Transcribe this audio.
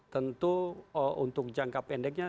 tentu untuk jangka pendeknya